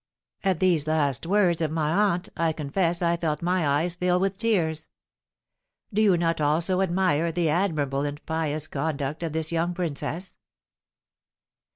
'" At these last words of my aunt I confess I felt my eyes fill with tears. Do you not also admire the admirable and pious conduct of this young princess?